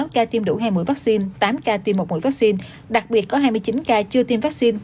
một mươi sáu ca tiêm đủ hai mũi vaccine tám ca tiêm một mũi vaccine đặc biệt có hai mươi chín ca chưa tiêm vaccine